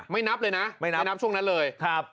ไม่นับเลยนะไม่นับช่วงนั้นเลย